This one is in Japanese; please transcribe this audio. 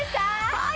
はい！